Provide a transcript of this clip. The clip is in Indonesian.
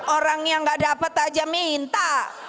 orang yang gak dapat aja minta